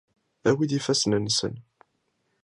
Awi-d ifassen-nsen.